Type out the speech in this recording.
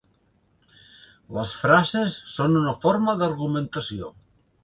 Les frases són una forma d'argumentació.